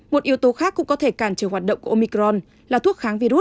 một yếu tố khác cũng có thể cản trở hoạt động của omicron là thuốc kháng virus